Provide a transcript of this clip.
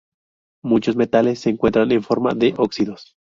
Muchos metales se encuentran en forma de óxidos.